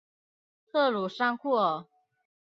特鲁桑库尔。